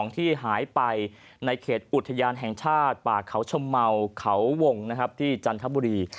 ที่หายไปในเขตอุทยานแห่งชาติป่าเขาชมเมาเขาวงที่จันทบุรี